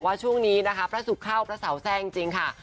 ว่าช่วงนี้นะคะพระสุขข้าวพระสาวแซ่งจริงค่ะ